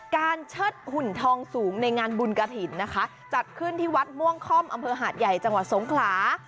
เชิดหุ่นทองสูงในงานบุญกระถิ่นนะคะจัดขึ้นที่วัดม่วงค่อมอำเภอหาดใหญ่จังหวัดสงขลา